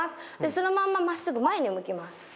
そのまま真っすぐ前に向きます。